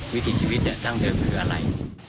วิธีชีวิตแท่งเดิมเหลืออะไร